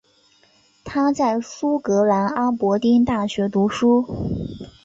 他在苏格兰阿伯丁大学读书。